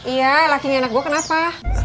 iya laki laki anak gue kenapa